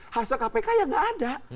hasil kpk ya nggak ada